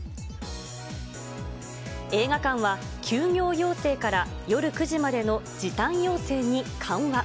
映画館は休業要請から、夜９時までの時短要請に緩和。